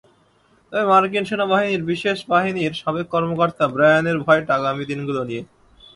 তবে মার্কিন সেনাবাহিনীর বিশেষ বাহিনীর সাবেক কর্মকর্তা ব্রায়ানের ভয়টা আগামী দিনগুলো নিয়ে।